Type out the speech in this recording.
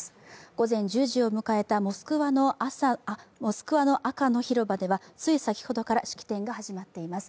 午前１０時を迎えたモスクワの赤の広場ではつい先ほどから式典が始まっています。